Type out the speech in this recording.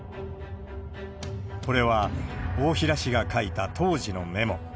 これは、大平氏が書いた当時のメモ。